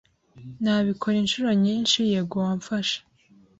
Nabikora inshuro nyinshi, yego wamfasha